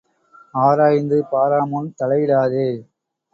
ஆராய்ந்து பாராமுன் தலையிடாதே.